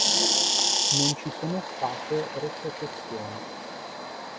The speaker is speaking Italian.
Non ci sono state retrocessioni.